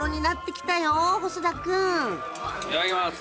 いただきます！